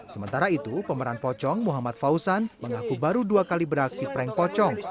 sementara itu pemeran pocong muhammad fauzan mengaku baru dua kali beraksi prank pocong